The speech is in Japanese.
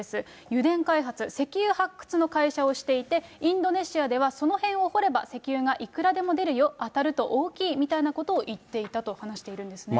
油田開発、石油発掘の会社をしていて、インドネシアではその辺を掘れば石油がいくらでも出るよ、当たると大きいみたいなことを言っていたと話しているんですね。